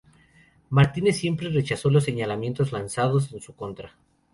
Martínez siempre rechazó los señalamientos lanzados en su contra.